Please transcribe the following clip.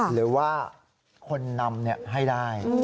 หรือว่าคนนำให้ได้